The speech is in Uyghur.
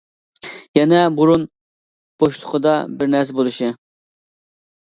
يەنى بۇرۇن بوشلۇقىدا بىر نەرسە بولۇشى.